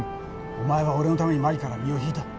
お前は俺のために麻里から身を引いた。